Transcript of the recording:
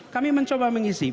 kami mencoba mengisi